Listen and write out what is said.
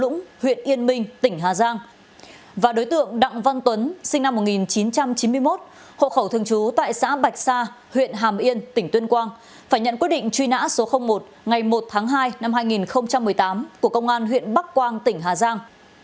nguyễn minh tỉnh hà giang và đối tượng đặng văn tuấn sinh năm một nghìn chín trăm chín mươi một hộ khẩu thường trú tại xã bạch sa huyện hàm yên tỉnh tuyên quang phải nhận quyết định truy nã số một ngày một tháng hai năm hai nghìn một mươi tám của công an huyện bắc quang tỉnh hà giang